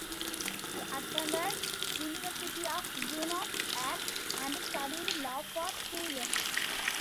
She attended University of Buenos Aires and studied law for two years.